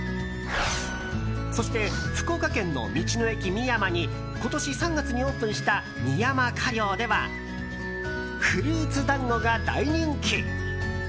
そして福岡県の道の駅みやまに今年３月にオープンしたみやま果寮ではフルーツ団子が大人気。